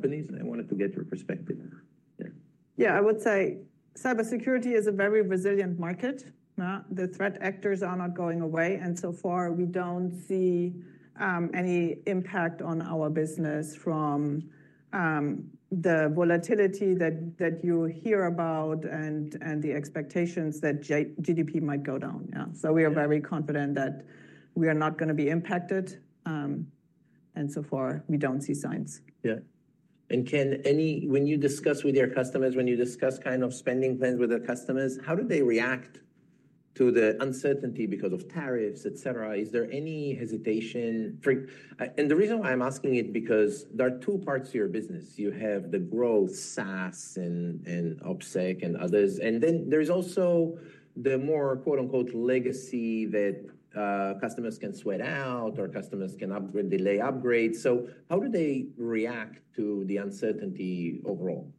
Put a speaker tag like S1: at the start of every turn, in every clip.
S1: Companies, and I wanted to get your perspective. Yeah, I would say cybersecurity is a very resilient market. The threat actors are not going away, and so far we do not see any impact on our business from the volatility that you hear about and the expectations that GDP might go down. We are very confident that we are not going to be impacted, and so far we do not see signs. Yeah. Ken, when you discuss with your customers, when you discuss kind of spending plans with the customers, how do they react to the uncertainty because of tariffs, etc.? Is there any hesitation? The reason why I'm asking it is because there are two parts of your business. You have the growth, SaaS and OPSEC and others, and then there is also the more "legacy" that customers can sweat out or customers can upgrade, delay upgrades. How do they react to the uncertainty overall?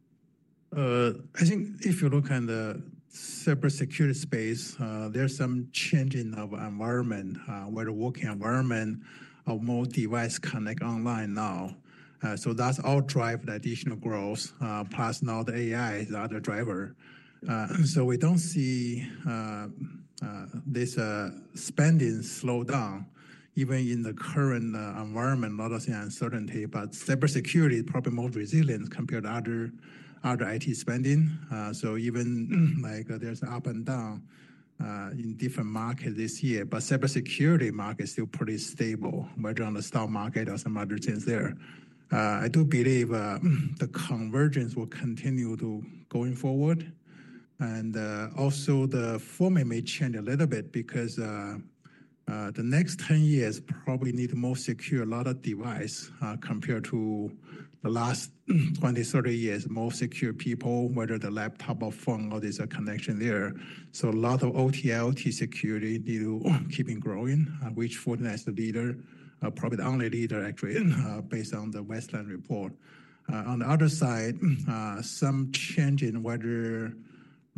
S2: I think if you look at the cybersecurity space, there's some change in our environment, where the working environment of more devices connect online now. That all drives the additional growth, plus now the AI is the other driver. We do not see this spending slow down. Even in the current environment, a lot of the uncertainty, but cybersecurity is probably more resilient compared to other IT spending. Even like there is up and down in different markets this year, cybersecurity markets are still pretty stable, whether on the stock market or some other things there. I do believe the convergence will continue going forward, and also the format may change a little bit because the next 10 years probably need more secure, a lot of devices compared to the last 20, 30 years, more secure people, whether the laptop or phone, all these are connected there. A lot of OT, OT security need to keep on growing, which Fortinet is the leader, probably the only leader actually based on the Westland report. On the other side, some change in whether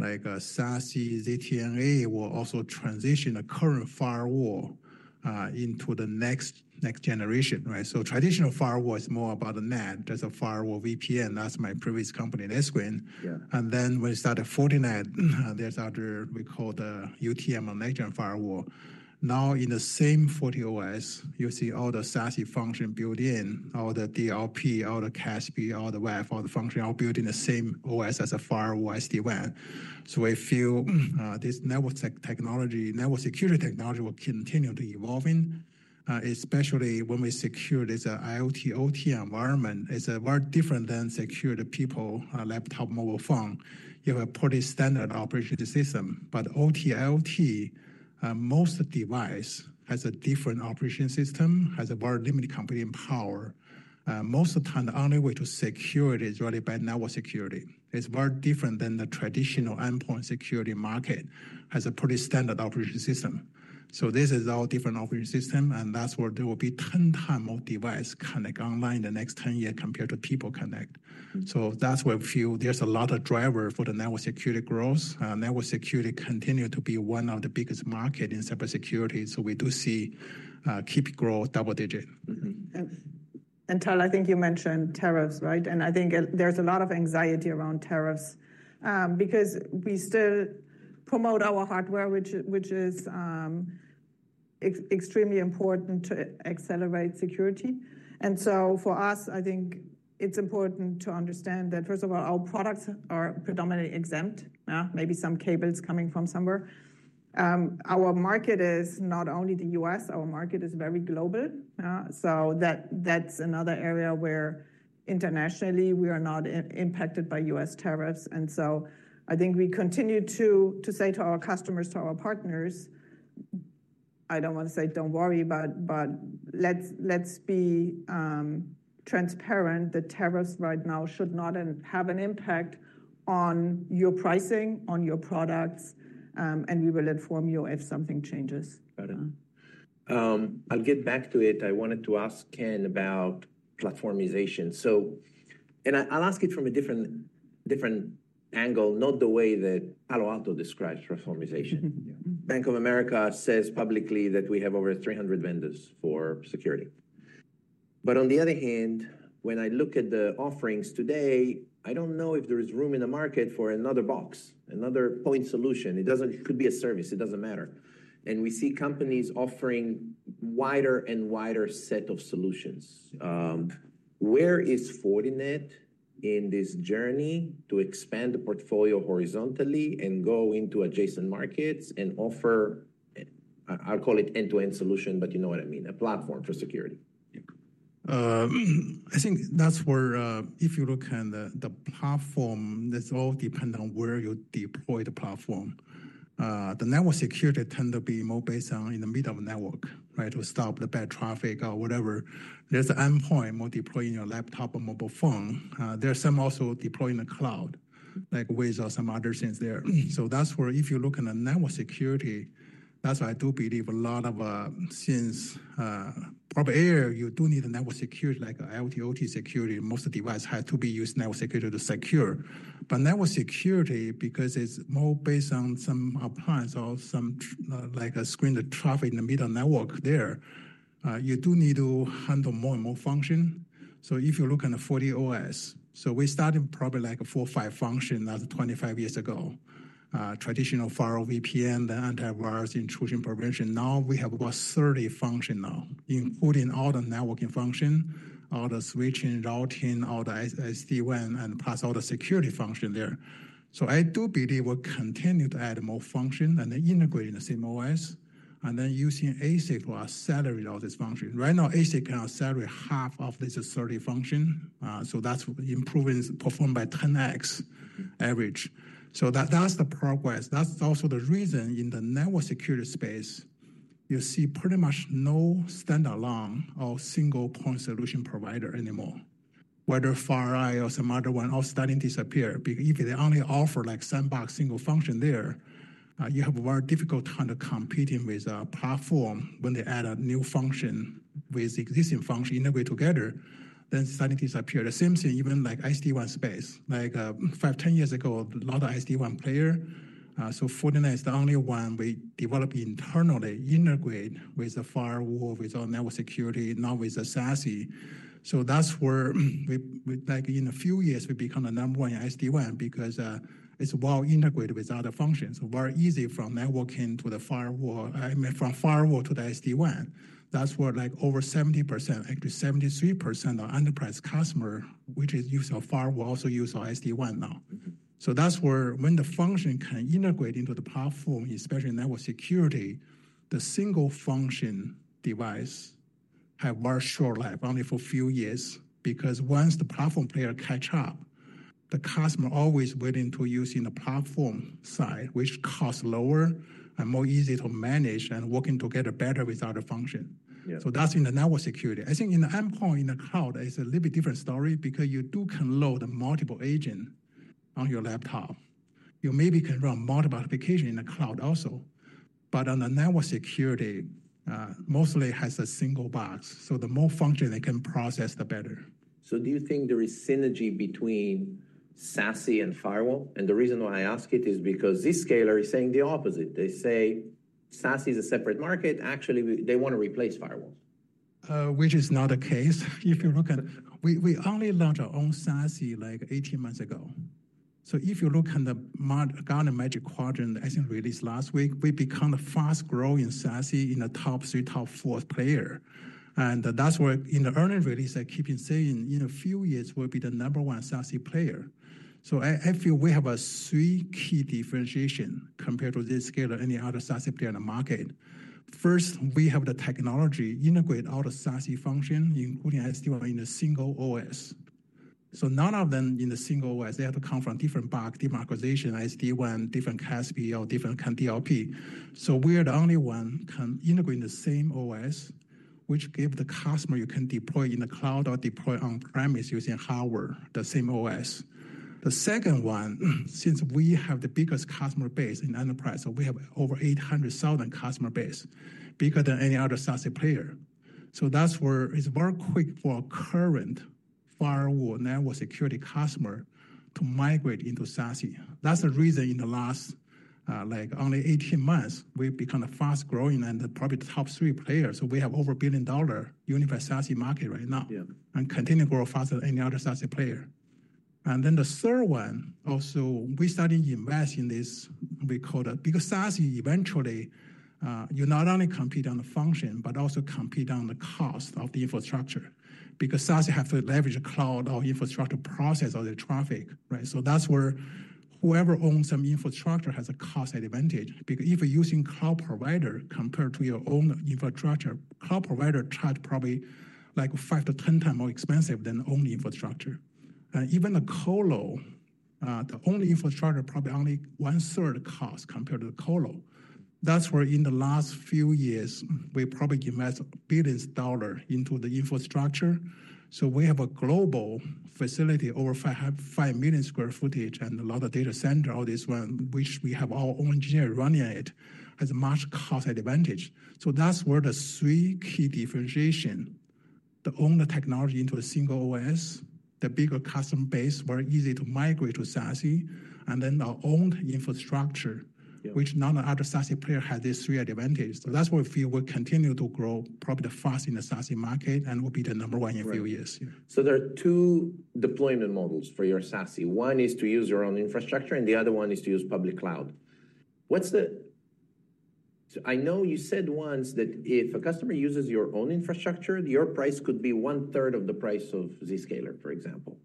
S2: SaaS, ZTNA will also transition the current firewall into the next generation. Traditional firewall is more about the NAT, that's a firewall VPN, that's my previous company, NetScreen. And then when we started Fortinet, there's other, we call the UTM on NetScreen firewall. Now in the same FortiOS, you see all the SaaS functions built in, all the DLP, all the CASB, all the WAF, all the functions are built in the same OS as a firewall SD-WAN. I feel this network technology, network security technology will continue to evolve, especially when we secure this IoT, OT environment. It's very different than secure the people, laptop, mobile phone. You have a pretty standard operating system, but OT, IoT, most devices have a different operating system, have very limited computing power. Most of the time, the only way to secure it is really by network security. It is very different than the traditional endpoint security market, has a pretty standard operating system. This is all different operating systems, and that is where there will be 10 times more devices connecting online in the next 10 years compared to people connecting. That is where I feel there is a lot of driver for the network security growth. Network security continues to be one of the biggest markets in cybersecurity, so we do see keep growth double digit.
S3: Tal, I think you mentioned tariffs, right? I think there's a lot of anxiety around tariffs because we still promote our hardware, which is extremely important to accelerate security. For us, I think it's important to understand that first of all, our products are predominantly exempt, maybe some cables coming from somewhere. Our market is not only the US, our market is very global. That's another area where internationally we are not impacted by US tariffs. I think we continue to say to our customers, to our partners, I don't want to say don't worry, but let's be transparent. The tariffs right now should not have an impact on your pricing, on your products, and we will inform you if something changes. Got it. I'll get back to it. I wanted to ask Ken about platformization. I'll ask it from a different angle, not the way that Palo Alto describes platformization. Bank of America says publicly that we have over 300 vendors for security. On the other hand, when I look at the offerings today, I don't know if there is room in the market for another box, another point solution. It could be a service, it doesn't matter. We see companies offering wider and wider sets of solutions. Where is Fortinet in this journey to expand the portfolio horizontally and go into adjacent markets and offer, I'll call it end-to-end solution, but you know what I mean, a platform for security?
S2: I think that's where if you look at the platform, it's all dependent on where you deploy the platform. The network security tends to be more based on in the middle of the network, right, to stop the bad traffic or whatever. There's an endpoint more deployed in your laptop or mobile phone. There's some also deployed in the cloud, like WAFs or some other things there. That's where if you look at the network security, that's why I do believe a lot of things, probably IoT, you do need a network security like IoT, OT security. Most devices have to be used network security to secure. Network security, because it's more based on some appliance or some screening of traffic in the middle network there, you do need to handle more and more functions. If you look at the FortiOS, we started probably like four, five functions 25 years ago, traditional firewall, VPN, the antivirus, intrusion prevention. Now we have about 30 functions now, including all the networking functions, all the switching, routing, all the SD-WAN, and plus all the security functions there. I do believe we'll continue to add more functions and then integrate in the same OS, and then using ASIC to accelerate all these functions. Right now, ASIC can accelerate half of these 30 functions. That is improvements performed by 10X average. That is the progress. That is also the reason in the network security space, you see pretty much no standalone or single point solution provider anymore, whether FireEye or some other one are starting to disappear. If they only offer like sandbox single function there, you have a very difficult time to compete with a platform when they add a new function with existing function, integrate together, then starting to disappear. The same thing even like SD-WAN space, like five, 10 years ago, a lot of SD-WAN player. Fortinet is the only one we develop internally, integrate with the firewall, with our network security, not with the SaaS. That is where in a few years we become the number one in SD-WAN because it is well integrated with other functions. Very easy from networking to the firewall, from firewall to the SD-WAN. That is where over 70%, actually 73% of enterprise customers, which is use of firewall, also use our SD-WAN now. That's where when the function can integrate into the platform, especially network security, the single function device has a very short life, only for a few years, because once the platform player catches up, the customer is always willing to use the platform side, which costs lower and is more easy to manage and works together better with other functions. That's in the network security. I think in the endpoint, in the cloud, it's a little bit different story because you do can load multiple agents on your laptop. You maybe can run multiple applications in the cloud also, but on the network security, mostly it has a single box. The more functions they can process, the better. Do you think there is synergy between SaaS and firewall? The reason why I ask it is because Zscaler is saying the opposite. They say SaaS is a separate market. Actually, they want to replace firewall. Which is not the case. If you look at, we only launched our own SaaS like 18 months ago. If you look at the Gartner Magic Quadrant, I think released last week, we become the fast growing SaaS in the top three, top four player. That is where in the earlier release, I keep on saying in a few years we'll be the number one SaaS player. I feel we have three key differentiation compared to Zscaler or any other SaaS player in the market. First, we have the technology integrate all the SaaS functions, including SD-WAN in a single OS. None of them in the single OS, they have to come from different box, democratization, SD-WAN, different CASB or different kind of DLP. We are the only one can integrate in the same OS, which gives the customer you can deploy in the cloud or deploy on-premise using hardware, the same OS. The second one, since we have the biggest customer base in enterprise, we have over 800,000 customer base, bigger than any other SaaS player. That is where it is very quick for current firewall network security customer to migrate into SaaS. That is the reason in the last only 18 months, we have become the fast growing and probably the top three players. We have over a $1 billion unified SaaS market right now and continue to grow faster than any other SaaS player. Then the third one, also we started investing in this, we call the because SaaS eventually, you not only compete on the function, but also compete on the cost of the infrastructure because SaaS has to leverage cloud or infrastructure process or the traffic. That's where whoever owns some infrastructure has a cost advantage because if you're using cloud provider compared to your own infrastructure, cloud provider charge probably like 5-10 times more expensive than the only infrastructure. Even the colo, the only infrastructure probably only one third cost compared to the colo. That's where in the last few years, we probably invest billions of dollars into the infrastructure. We have a global facility over five million sq ft and a lot of data center, all this one, which we have our own engineer running it, has a much cost advantage. That's where the three key differentiation, the own the technology into a single OS, the bigger customer base, very easy to migrate to SaaS, and then our own infrastructure, which none of the other SaaS players has these three advantages. That's why we feel we continue to grow probably the fast in the SaaS market and will be the number one in a few years. So there are two deployment models for your SaaS. One is to use your own infrastructure and the other one is to use public cloud. I know you said once that if a customer uses your own infrastructure, your price could be one third of the price of Zscaler, for example.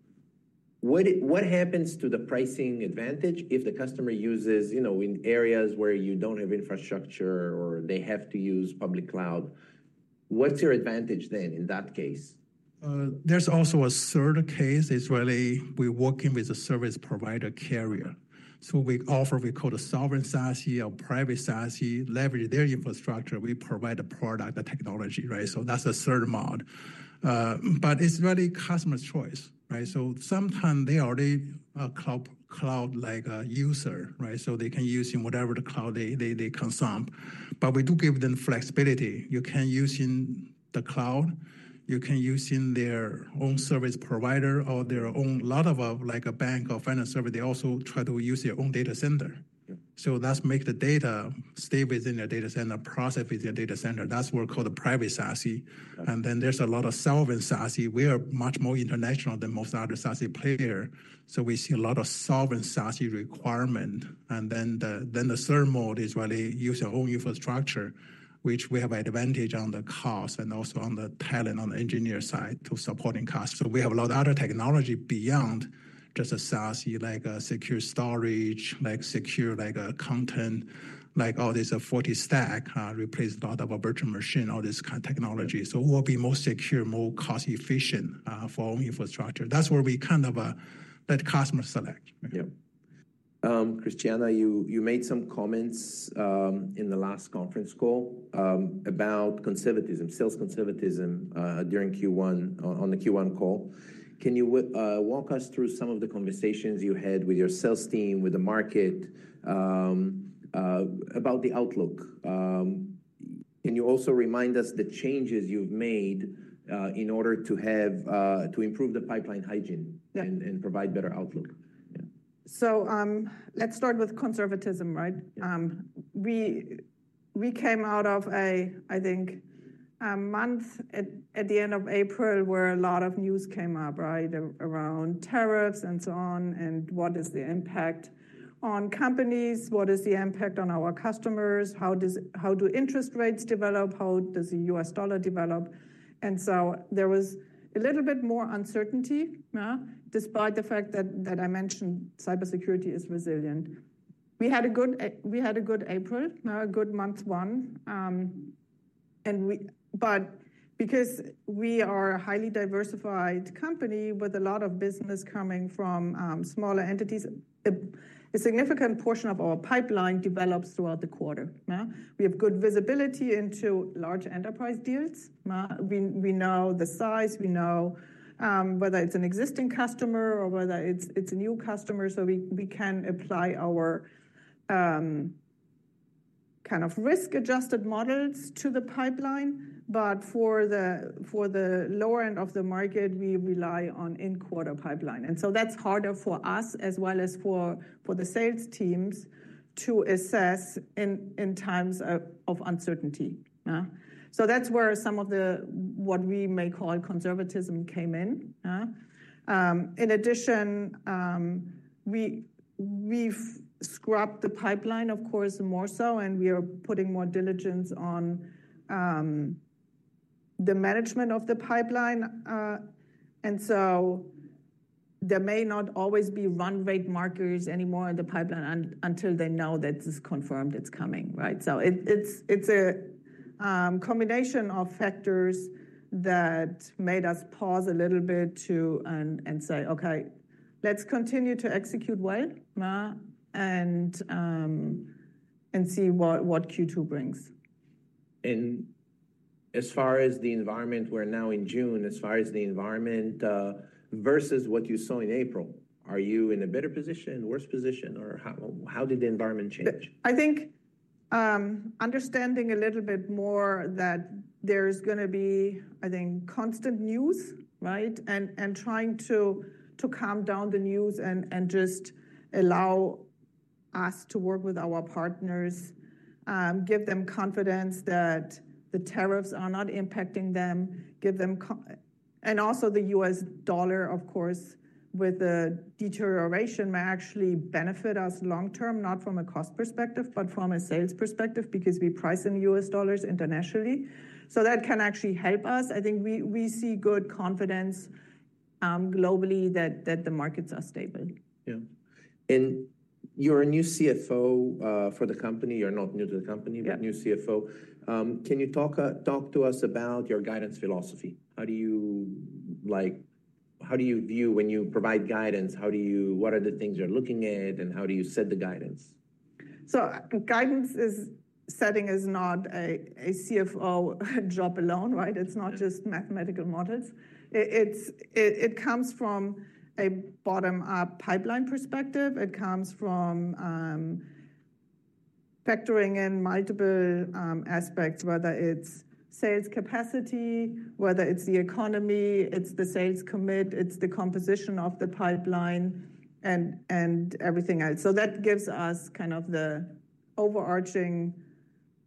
S2: What happens to the pricing advantage if the customer uses in areas where you do not have infrastructure or they have to use public cloud? What is your advantage then in that case? There's also a third case. It's really we're working with a service provider carrier. We offer, we call the sovereign SaaS or private SaaS, leverage their infrastructure. We provide the product, the technology, right? That's a sad mod. But It's rarely customer's choice, right? Sometimes they already are cloud users, right? They can use whatever the cloud they consume. We do give them flexibility. You can use in the cloud, you can use in their own service provider or their own, a lot of like a bank or financial service, they also try to use their own data center. That makes the data stay within their data center, process within their data center. That's what we call the private SaaS. Then there's a lot of sovereign SaaS. We are much more international than most other SaaS players. We see a lot of sovereign SaaS requirement. The third mode is really use your own infrastructure, which we have advantage on the cost and also on the talent on the engineer side to supporting costs. We have a lot of other technology beyond just a SaaS, like secure storage, like secure content, like all these Fortinet stack, replace a lot of virtual machine, all this kind of technology. We will be more secure, more cost efficient for our own infrastructure. That's where we kind of let customers select. Yep. Christiane, you made some comments in the last conference call about conservatism, sales conservatism during Q1 on the Q1 call. Can you walk us through some of the conversations you had with your sales team, with the market about the outlook? Can you also remind us the changes you've made in order to improve the pipeline hygiene and provide better outlook?
S3: Let's start with conservatism, right? We came out of a, I think, month at the end of April where a lot of news came up, right? Around tariffs and so on and what is the impact on companies? What is the impact on our customers? How do interest rates develop? How does the US dollar develop? There was a little bit more uncertainty despite the fact that I mentioned cybersecurity is resilient. We had a good April, a good month one. Because we are a highly diversified company with a lot of business coming from smaller entities, a significant portion of our pipeline develops throughout the quarter. We have good visibility into large enterprise deals. We know the size, we know whether it's an existing customer or whether it's a new customer. We can apply our kind of risk-adjusted models to the pipeline. For the lower end of the market, we rely on in-quarter pipeline. That is harder for us as well as for the sales teams to assess in times of uncertainty. That is where some of what we may call conservatism came in. In addition, we have scrubbed the pipeline, of course, more so, and we are putting more diligence on the management of the pipeline. There may not always be run rate markers anymore in the pipeline until they know that it is confirmed it is coming, right? It is a combination of factors that made us pause a little bit too and say, okay, let us continue to execute well and see what Q2 brings. As far as the environment, we're now in June, as far as the environment versus what you saw in April, are you in a better position, worse position, or how did the environment change? I think understanding a little bit more that there's going to be, I think, constant news, right, and trying to calm down the news and just allow us to work with our partners, give them confidence that the tariffs are not impacting them, give them and also the US dollar, of course, with the deterioration may actually benefit us long term, not from a cost perspective, but from a sales perspective because we price in US dollars internationally. That can actually help us. I think we see good confidence globally that the markets are stable. Yeah. And you're a new CFO for the company. You're not new to the company, but new CFO. Can you talk to us about your guidance philosophy? How do you view when you provide guidance? What are the things you're looking at and how do you set the guidance? Guidance setting is not a CFO job alone, right? It's not just mathematical models. It comes from a bottom-up pipeline perspective. It comes from factoring in multiple aspects, whether it's sales capacity, whether it's the economy, it's the sales commit, it's the composition of the pipeline, and everything else. That gives us kind of the overarching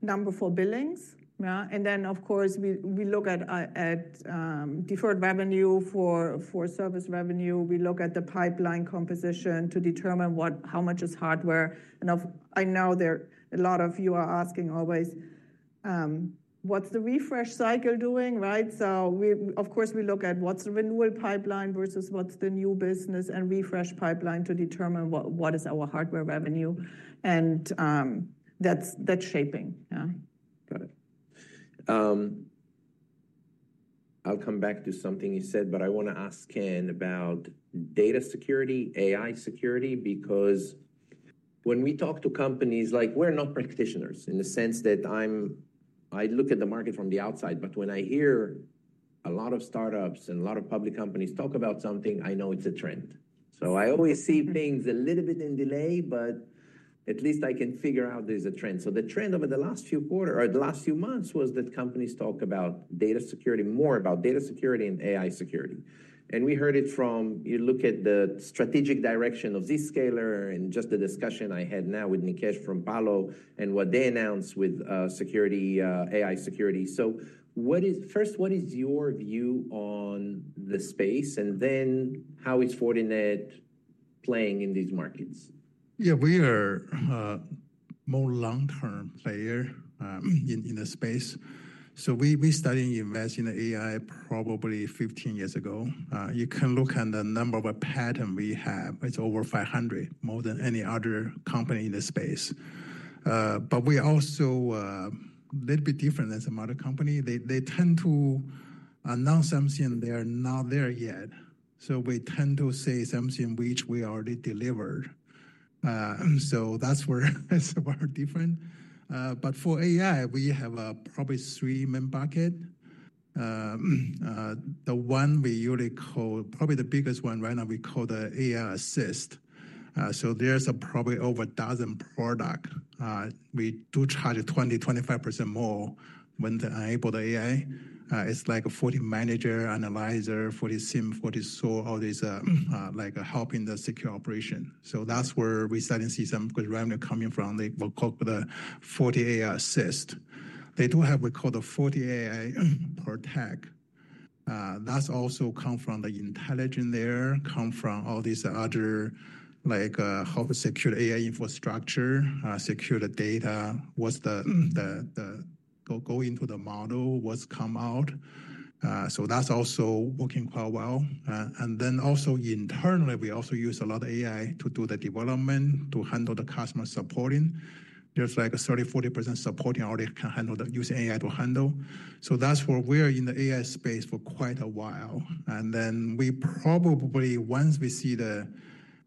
S3: number for billings. Then, of course, we look at deferred revenue for service revenue. We look at the pipeline composition to determine how much is hardware. I know a lot of you are asking always, what's the refresh cycle doing, right? Of course, we look at what's the renewal pipeline versus what's the new business and refresh pipeline to determine what is our hardware revenue. That's shaping. Got it. I'll come back to something you said, but I want to ask Ken about data security, AI security, because when we talk to companies, like we're not practitioners in the sense that I look at the market from the outside, but when I hear a lot of startups and a lot of public companies talk about something, I know it's a trend. I always see things a little bit in delay, but at least I can figure out there's a trend. The trend over the last few quarters or the last few months was that companies talk about data security, more about data security and AI security. We heard it from you look at the strategic direction of Zscaler and just the discussion I had now with Nikesh from Palo and what they announced with security, AI security. First, what is your view on the space? And then how is Fortinet playing in these markets?
S2: Yeah, we are a more long-term player in the space. So we started investing in AI probably 15 years ago. You can look at the number of patents we have. It's over 500, more than any other company in the space. But we are also a little bit different than some other companies. They tend to announce something and they are not there yet. We tend to say something which we already delivered. That's where it's very different. For AI, we have probably three main buckets. The one we usually call, probably the biggest one right now, we call the AI assist. There's probably over a dozen products. We do charge 20-25% more when they enable the AI. It's like a FortiManager, FortiAnalyzer, FortiSIEM, FortiSOAR, all these helping the secure operation. That's where we started to see some good revenue coming from. They will call the FortiAI-Assist. They do have, we call the FortiAI-Protect. That's also come from the intelligence there, come from all these other like how to secure the AI infrastructure, secure the data, what's the go into the model, what's come out. That's also working quite well. Also internally, we also use a lot of AI to do the development, to handle the customer supporting. There's like a 30-40% supporting already can handle the use AI to handle. That's where we are in the AI space for quite a while. We probably, once we see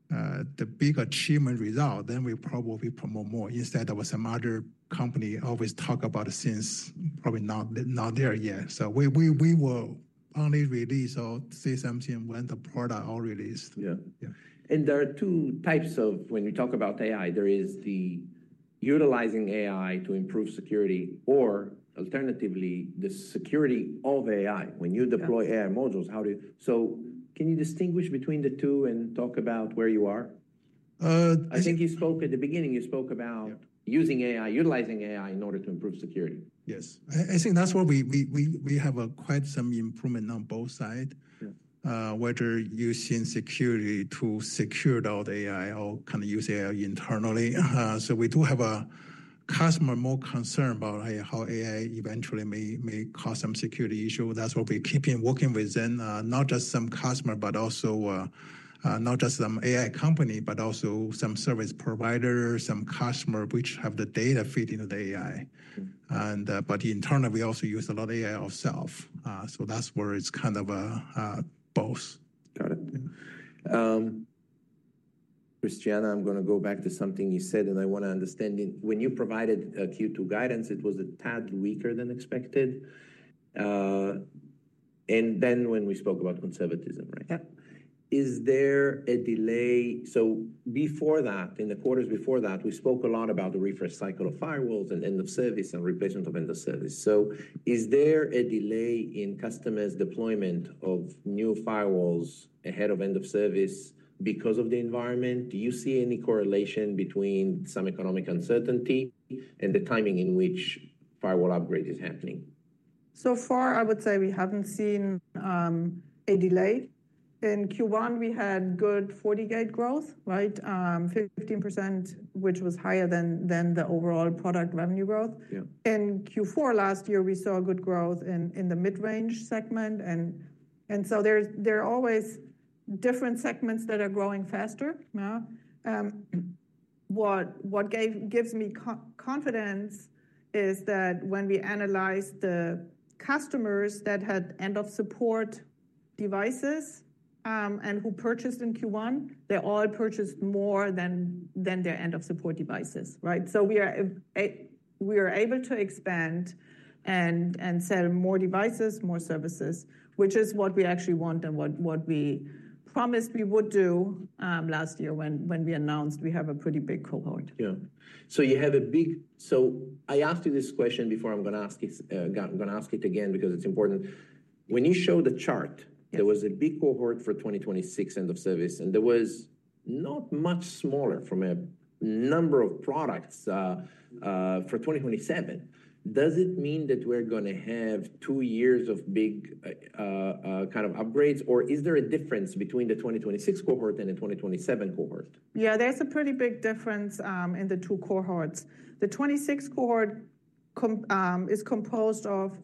S2: the big achievement result, then we probably promote more instead of some other company always talk about since probably not there yet. We will only release or see something when the product all released. Yeah. There are two types of when you talk about AI, there is the utilizing AI to improve security or alternatively the security of AI. When you deploy AI modules, how do you, so can you distinguish between the two and talk about where you are? I think you spoke at the beginning, you spoke about using AI, utilizing AI in order to improve security. Yes. I think that's where we have quite some improvement on both sides, whether using security to secure the AI or kind of use AI internally. We do have a customer more concerned about how AI eventually may cause some security issue. That's what we keep on working with them, not just some customer, but also not just some AI company, but also some service provider, some customer which have the data feed into the AI. Internally, we also use a lot of AI ourselves. That's where it's kind of both. Got it. Christiana, I'm going to go back to something you said, and I want to understand. When you provided Q2 guidance, it was a tad weaker than expected. Then when we spoke about conservatism, right? Is there a delay? Before that, in the quarters before that, we spoke a lot about the refresh cycle of firewalls and end of service and replacement of end of service. Is there a delay in customers' deployment of new firewalls ahead of end of service because of the environment? Do you see any correlation between some economic uncertainty and the timing in which firewall upgrade is happening?
S3: So far, I would say we haven't seen a delay. In Q1, we had good Fortinet growth, right? 15%, which was higher than the overall product revenue growth. In Q4 last year, we saw good growth in the mid-range segment. There are always different segments that are growing faster. What gives me confidence is that when we analyze the customers that had end of support devices and who purchased in Q1, they all purchased more than their end of support devices, right? We are able to expand and sell more devices, more services, which is what we actually want and what we promised we would do last year when we announced we have a pretty big cohort. Yeah. You have a big—so I asked you this question before. I'm going to ask it again because it's important. When you show the chart, there was a big cohort for 2026 end of service, and there was not much smaller from a number of products for 2027. Does it mean that we're going to have two years of big kind of upgrades, or is there a difference between the 2026 cohort and the 2027 cohort? Yeah, there's a pretty big difference in the two cohorts. The 2026 cohort is composed of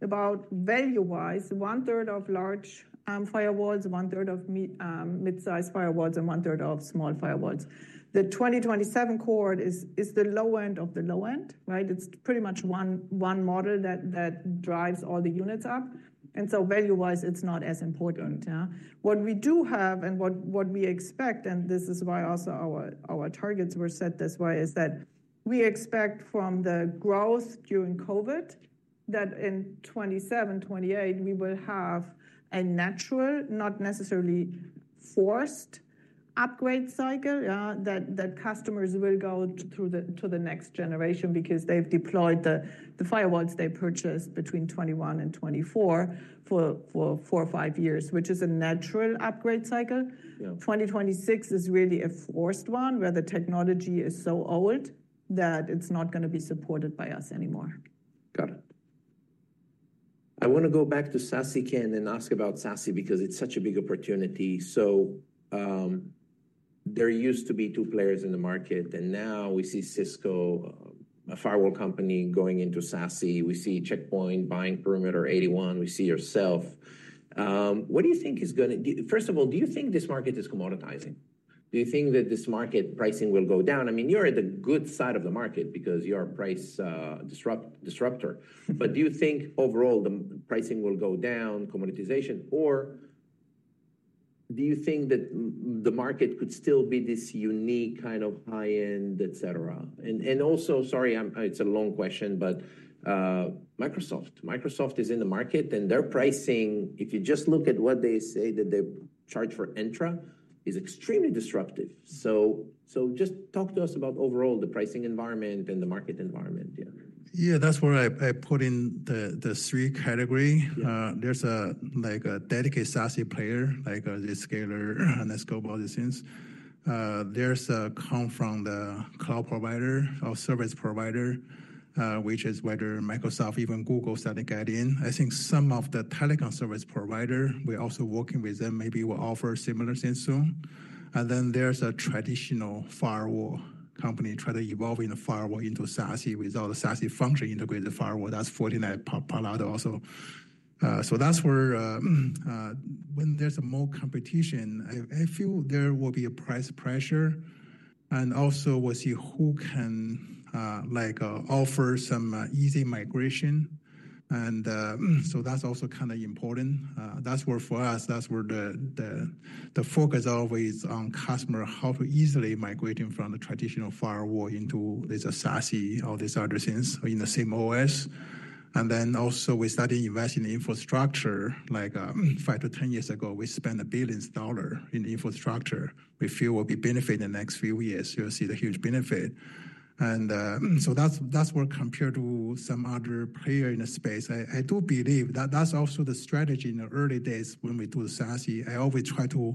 S3: about, value-wise, one third of large firewalls, one third of mid-size firewalls, and one third of small firewalls. The 2027 cohort is the low end of the low end, right? It's pretty much one model that drives all the units up. And so value-wise, it's not as important. What we do have and what we expect, and this is why also our targets were set this way, is that we expect from the growth during COVID that in 2027, 2028, we will have a natural, not necessarily forced upgrade cycle that customers will go to the next generation because they've deployed the firewalls they purchased between 2021 and 2024 for four or five years, which is a natural upgrade cycle. 2026 is really a forced one where the technology is so old that it's not going to be supported by us anymore. Got it. I want to go back to SASE, Ken, and ask about SASE because it's such a big opportunity. There used to be two players in the market, and now we see Cisco, a firewall company, going into SASE. We see Check Point buying Perimeter 81. We see yourself. What do you think is going to, first of all, do you think this market is commoditizing? Do you think that this market pricing will go down? I mean, you're at the good side of the market because you are a price disruptor. Do you think overall the pricing will go down, commoditization, or do you think that the market could still be this unique kind of high-end, etc.? Also, sorry, it's a long question, but Microsoft. Microsoft is in the market, and their pricing, if you just look at what they say that they charge for Entra, is extremely disruptive. Just talk to us about overall the pricing environment and the market environment.
S2: Yeah, that's where I put in the three categories. There's a dedicated SASE player, like Zscaler, Netskope, all these things. There's come from the cloud provider or service provider, which is whether Microsoft, even Google started getting in. I think some of the telecom service provider, we're also working with them, maybe will offer similar things soon. Then there's a traditional firewall company trying to evolve in the firewall into SASE without a SASE function integrated firewall. That's Fortinet, Palo Alto also. That's where when there's more competition, I feel there will be a price pressure. Also, we'll see who can offer some easy migration. That's also kind of important. That's where for us, that's where the focus always on customer, how to easily migrate from the traditional firewall into this SASE or these other things in the same OS. Then also we started investing in infrastructure. Like five to ten years ago, we spent $1 billion in infrastructure. We feel we'll be benefiting in the next few years. You'll see the huge benefit. That is where compared to some other player in the space, I do believe that is also the strategy in the early days when we do the SASE. I always try to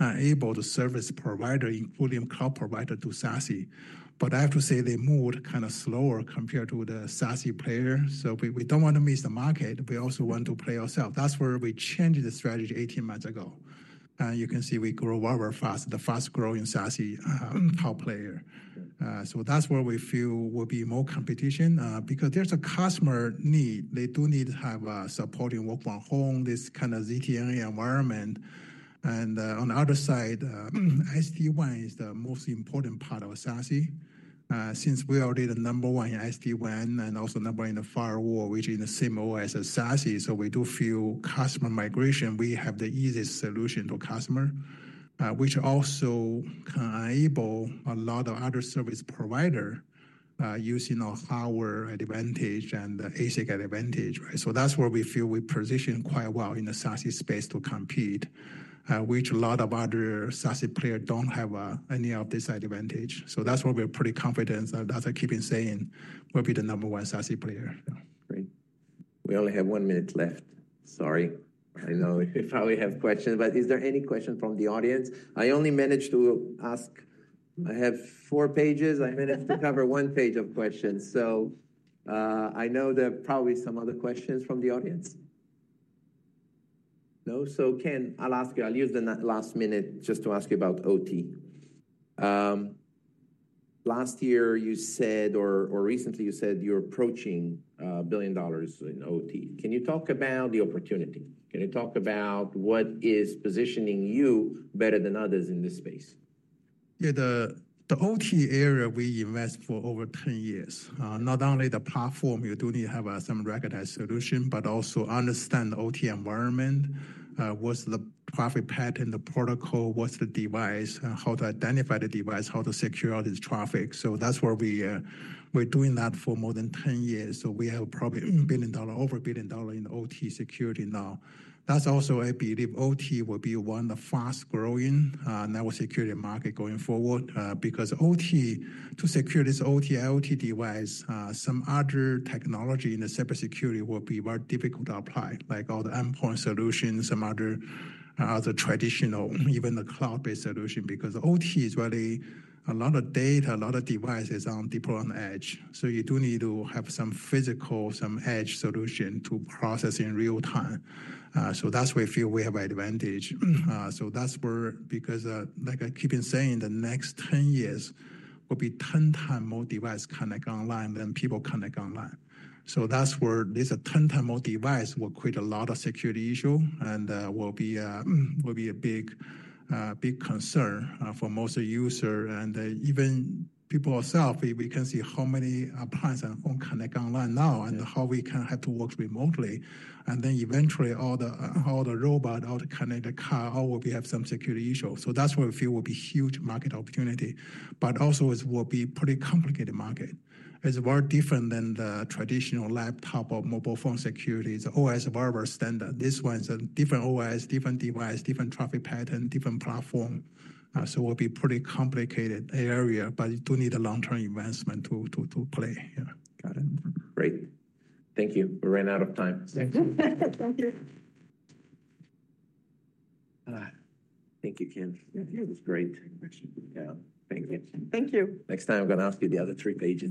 S2: enable the service provider, including cloud provider, to SASE. I have to say they moved kind of slower compared to the SASE player. We do not want to miss the market. We also want to play ourselves. That is where we changed the strategy 18 months ago. You can see we grew very fast, the fast growing SASE top player. That is where we feel will be more competition because there is a customer need. They do need to have supporting work from home, this kind of ZTNA environment. On the other side, SD-WAN is the most important part of SASE since we are already the number one in SD-WAN and also number one in the firewall, which is in the same OS as SASE. We do feel customer migration, we have the easiest solution to customer, which also can enable a lot of other service providers using our hardware advantage and the ASIC advantage. That is where we feel we position quite well in the SASE space to compete, which a lot of other SASE players do not have any of this advantage. That is where we are pretty confident. That is what I keep on saying will be the number one SASE player. Great. We only have one minute left. Sorry. I know I already have questions, but is there any question from the audience? I only managed to ask. I have four pages. I managed to cover one page of questions. I know there are probably some other questions from the audience. No? Ken, I'll ask you. I'll use the last minute just to ask you about OT. Last year, you said, or recently you said you're approaching a billion dollars in OT. Can you talk about the opportunity? Can you talk about what is positioning you better than others in this space? Yeah, the OT area we invest for over 10 years. Not only the platform, you do need to have some recognized solution, but also understand the OT environment, what's the traffic pattern, the protocol, what's the device, how to identify the device, how to secure all this traffic. That's where we're doing that for more than 10 years. We have probably a billion dollar, over a billion dollar in OT security now. That's also I believe OT will be one of the fast-growing network security market going forward because OT, to secure this OT, IoT device, some other technology in the cybersecurity will be very difficult to apply, like all the endpoint solutions, some other traditional, even the cloud-based solution because OT is really a lot of data, a lot of devices on deploy on edge. You do need to have some physical, some edge solution to process in real time. That is where I feel we have an advantage. That is where, because like I keep on saying, the next 10 years will be 10 times more devices connect online than people connect online. That is where this 10 times more devices will create a lot of security issues and will be a big concern for most users and even people ourselves. We can see how many appliances and phones connect online now and how we can have to work remotely. Eventually all the robots, all the connected cars, all will have some security issues. That is where I feel will be a huge market opportunity. Also, it will be a pretty complicated market. It is very different than the traditional laptop or mobile phone security. It is OS very standard. This one is a different OS, different device, different traffic pattern, different platform. It will be a pretty complicated area, but you do need a long-term investment to play. Got it. Great. Thank you. We ran out of time. Thank you. Thank you, Ken. That was great. Thank you.
S3: Thank you. Next time, I'm going to ask you the other three pages.